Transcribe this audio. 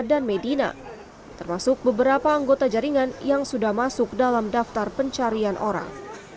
dan medina termasuk beberapa anggota jaringan yang sudah masuk dalam daftar pencarian orang